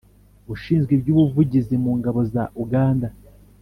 ushinzwe iby'ubuvuzi mu ngabo za uganda